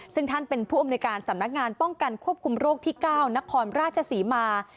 ซึ่งท่านเป็นผู้อำนวยการสำนักงานป้องกันควบคุมโรคที่๙นครราชศรีมา